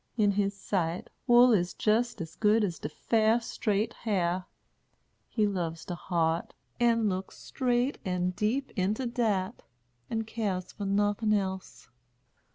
In his sight, wool is jist as good as de fair, straight hair. He loves de heart, and looks straight and deep into dat, and keres fur nothin' else.